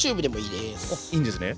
いいんですね？